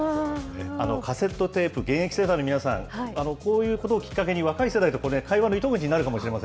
カセットテープ、現役世代の皆さん、こういうことをきっかけね、若い世代と会話の糸口になるかも確かに。